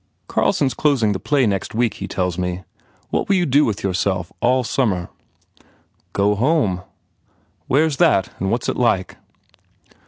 "Carlson s closing the play next week, he tells me. What will you do with yourself, all sum mer?" "Go home." "Where s that and what s it like?"